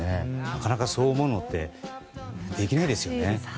なかなか、そう思うのってできないですよね。